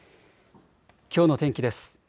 きょうの天気です。